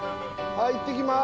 はい行ってきます！